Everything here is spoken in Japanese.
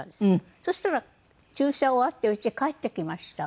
そしたら注射終わって家へ帰ってきました。